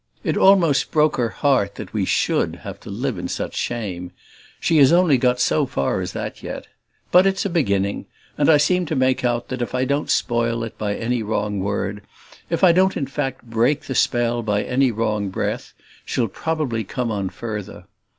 It almost broke her heart that we SHOULD have to live in such shame she has only got so far as that yet. But it's a beginning; and I seem to make out that if I don't spoil it by any wrong word, if I don't in fact break the spell by any wrong breath, she'll probably come on further.